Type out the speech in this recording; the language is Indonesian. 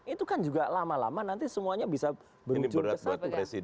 itu kan juga lama lama nanti semuanya bisa berujung ke satu presiden